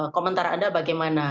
komentar anda bagaimana